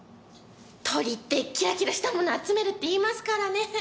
鳥ってキラキラしたもの集めるって言いますからね。